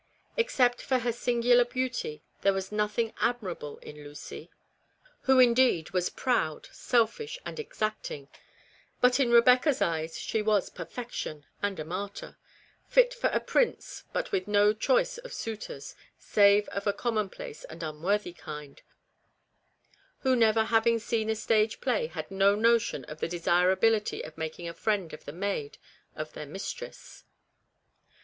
Except for her singular beauty there 228 REBECCA'S REMORSE. was nothing admirable in Lucy, who indeed was proud, selfish, and exacting, but in Rebecca's eyes she was perfection, and a martyr ; fit for a prince, but with no choice of suitors, save of a commonplace and unworthy kind, who never having seen a stage play had no notion of the desirability of making a friend of the maid of their mistress.